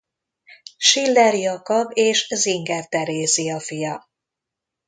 Schiller Jakab és Singer Terézia fia.